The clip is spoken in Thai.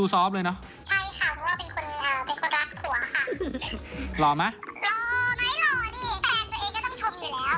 นี่โม๊ะไหมเล่นหุ้นอ้าวโม๊ะทำไม